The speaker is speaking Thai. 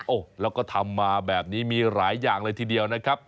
โอ้โหแล้วก็ทำมาแบบนี้มีหลายอย่างเลยทีเดียวนะครับ